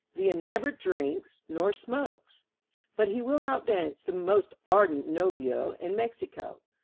Villa never drinks nor smokes, but he will outdance the most ardent novio in Mexico.